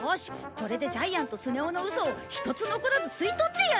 これでジャイアンとスネ夫のウソを一つ残らず吸い取ってやる！